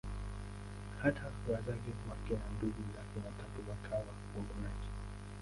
Hata wazazi wake na ndugu zake watatu wakawa wamonaki.